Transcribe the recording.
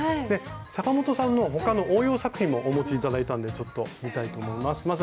で阪本さんの他の応用作品もお持ちいただいたんでちょっと見たいと思います。